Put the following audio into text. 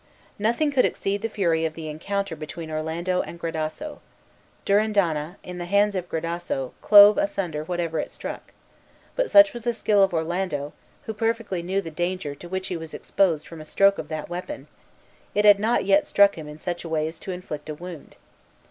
Nothing could exceed the fury of the encounter between Orlando and Gradasso. Durindana, in the hands of Gradasso, clove asunder whatever it struck; but such was the skill of Orlando, who perfectly knew the danger to which he was exposed from a stroke of that weapon, it had not yet struck him in such a way as to inflict a wound.